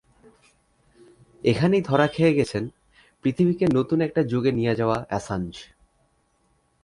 এখানেই ধরা খেয়ে গেছেন পৃথিবীকে নতুন একটা যুগে নিয়ে যাওয়া অ্যাসাঞ্জ।